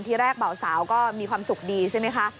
ที่แรกเบาสาวก็มีความสุขดีใช่ไหมคะ